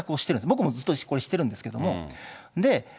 僕もずっとこれ、してるんですけど。